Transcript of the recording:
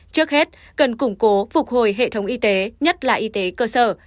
trước hết cần củng cố phục hồi hệ thống y tế nhất là y tế cơ sở